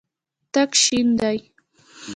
تک شین دی.